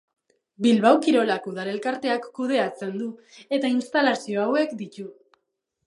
Bilbao Kirolak udal elkarteak kudeatzen du eta instalazio hauek ditu.